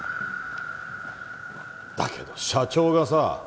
だけど社長がさ